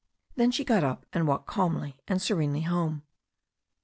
Then she got up and walked calmly and serenely home.